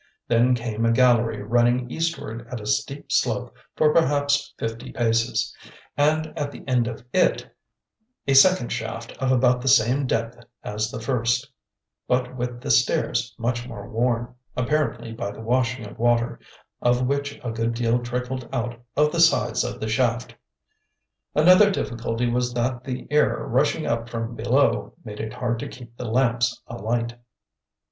Then came a gallery running eastward at a steep slope for perhaps fifty paces, and at the end of it a second shaft of about the same depth as the first, but with the stairs much more worn, apparently by the washing of water, of which a good deal trickled out of the sides of the shaft. Another difficulty was that the air rushing up from below made it hard to keep the lamps alight.